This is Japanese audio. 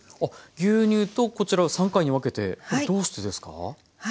牛乳とこちらを３回に分けてこれどうしてですか？